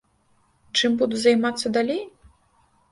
Чым буду займацца далей?